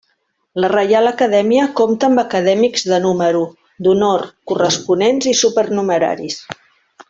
La Reial Acadèmia compta amb acadèmics de número, d'honor, corresponents i supernumeraris.